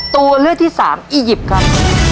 ตัวเลือกที่สามอียิปต์ครับ